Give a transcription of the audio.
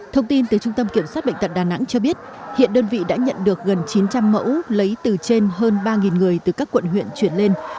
thông tin từ trung tâm kiểm soát bệnh tận đà nẵng cho biết hiện đơn vị đã nhận được gần chín trăm linh mẫu lấy từ trên hơn ba người từ các quận huyện chuyển lên